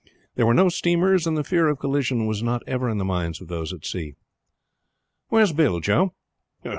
There were no steamers, and the fear of collision was not ever in the minds of those at sea. "Where's Bill, Joe?"